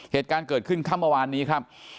เหตุการณ์เกิดขึ้นข้างมาวานนี้ครับ